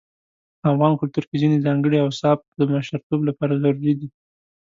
په افغان کلتور کې ځينې ځانګړي اوصاف د مشرتوب لپاره ضروري دي.